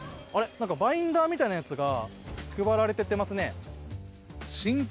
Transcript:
なんかバインダーみたいなやつが配られていってますね。